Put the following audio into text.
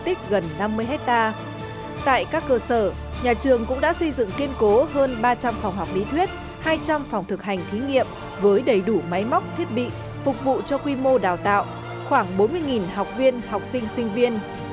tại các cơ sở nhà trường cũng đã xây dựng kiên cố hơn ba trăm linh phòng học lý thuyết hai trăm linh phòng thực hành thí nghiệm với đầy đủ máy móc thiết bị phục vụ cho quy mô đào tạo khoảng bốn mươi học viên học sinh sinh viên